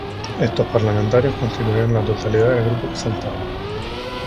Estos parlamentarios constituían la totalidad del grupo exaltado.